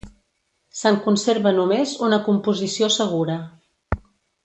Se'n conserva només una composició segura.